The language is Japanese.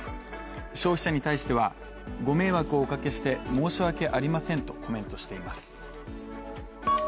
消費者に対しては、ご迷惑をおかけして申し訳ありませんとコメントしています。